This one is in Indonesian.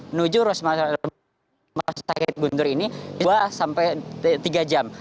menuju rumah sakit guntur ini dua sampai tiga jam